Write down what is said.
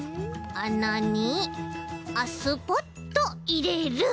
あなにスポッといれる。